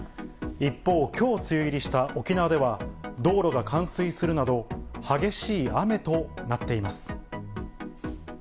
一方、きょう梅雨入りした沖縄では、道路が冠水するなど、激しい雨となっています。